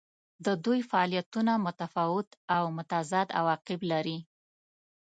د دوی فعالیتونه متفاوت او متضاد عواقب لري.